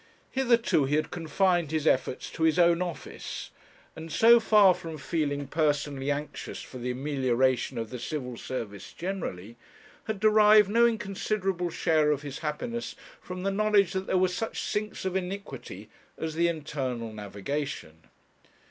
Hitherto he had confined his efforts to his own office, and, so far from feeling personally anxious for the amelioration of the Civil Service generally, had derived no inconsiderable share of his happiness from the knowledge that there were such sinks of iniquity as the Internal Navigation.